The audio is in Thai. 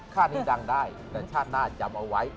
ค่านี้ดังได้แต่ชาติหน้าจำเอาไว้